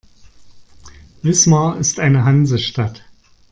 Wismar ist eine Hansestadt.